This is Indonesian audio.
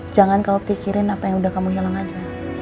jangan kau pikirin apa yang udah kamu hilang aja